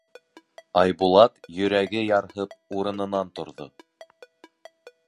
Айбулат, йөрәге ярһып, урынынан торҙо.